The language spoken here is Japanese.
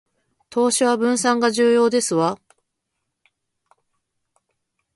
投資は分散が重要ですわ